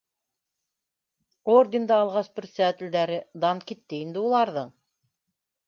— Орден да алғас председателдәре, дан китте инде уларҙың